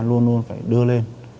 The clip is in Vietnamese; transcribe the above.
luôn luôn phải đưa lên